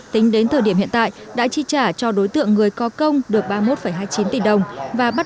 tính đến thời điểm hiện tại đã chi trả cho đối tượng người có công được ba mươi một hai mươi chín tỷ đồng và bắt